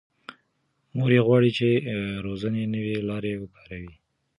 مور یې غواړي چې روزنې نوې لارې وکاروي.